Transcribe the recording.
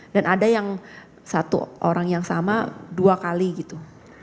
dan ada yang satu orang yang sama dua kali gitu